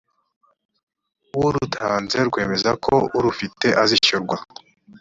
w urutanze rwemeza ko urufite azishyurwa